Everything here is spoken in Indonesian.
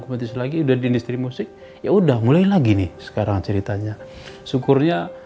kompetisi lagi udah di industri musik ya udah mulai lagi nih sekarang ceritanya syukurnya